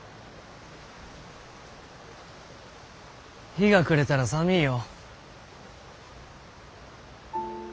日が暮れたら寒いよ。